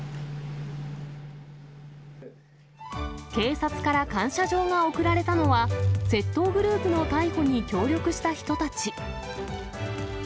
警察から感謝状が贈られたのは、窃盗グループの逮捕に協力した人たち。